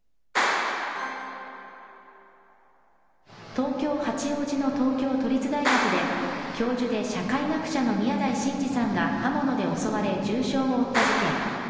東京・八王子の東京都立大学で、教授で社会学者の宮台真司さんが刃物で襲われ、重傷を負った事件。